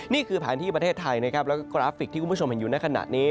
นี่คือแผนที่ประเทศไทยนะครับแล้วก็กราฟิกที่คุณผู้ชมเห็นอยู่ในขณะนี้